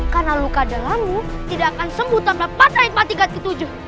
karena luka dalammu tidak akan sembuh tanpa patahit mati kat ketujuh